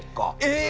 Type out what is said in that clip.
え！